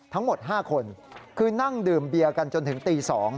ทั้งหมด๕คนคือนั่งดื่มเบียร์กันจนถึงตี๒